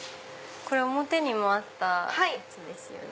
これ表にもあったやつですよね。